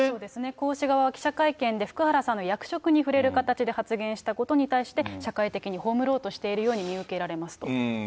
江氏側は記者会見で福原さんの役職に触れる形で発言したことに対して、社会的に葬ろうとしているように見受けられますと。